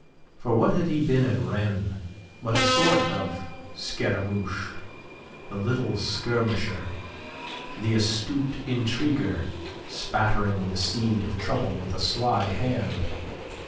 For what had he been at Rennes but a sort of Scaramouche the little skirmisher, the astute intriguer, spattering the seed of trouble with a sly hand?